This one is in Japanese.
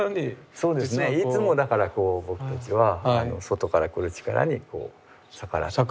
そうですねいつも僕たちは外から来る力に逆らってる。